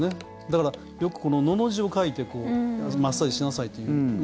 だから、よく「の」の字を書いてマッサージしなさいって。